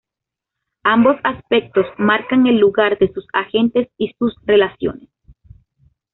Ambos aspectos marcan el lugar de sus agentes y sus relaciones.